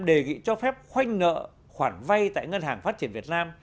đề nghị cho phép khoanh nợ khoản vay tại ngân hàng phát triển việt nam